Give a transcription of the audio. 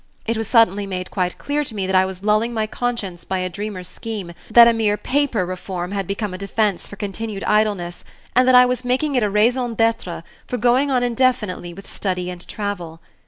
It was suddenly made quite clear to me that I was lulling my conscience by a dreamer's scheme, that a mere paper reform had become a defense for continued idleness, and that I was making it a raison d'etre for going on indefinitely with study and travel.